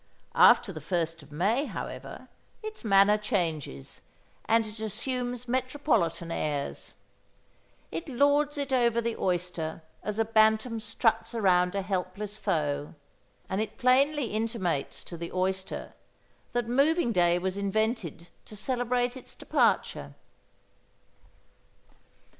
After the first of May, however, its manner changes, and it assumes metropolitan airs. It lords it over the oyster as a bantam struts around a helpless foe; and it plainly intimates to the oyster that moving day was invented to celebrate its departure.